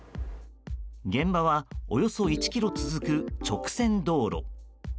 現場はおよそ１ｋｍ続く直線道路。